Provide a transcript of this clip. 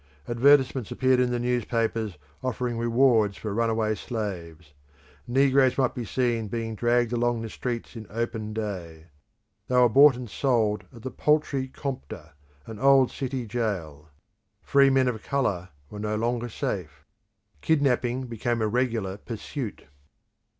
Advertisements appeared in the newspapers offering rewards for runaway slaves. Negroes might be seen being dragged along the streets in open day: they were bought and sold at the Poultry Compter, an old city jail. Free men of colour were no longer safe; kidnapping became a regular pursuit.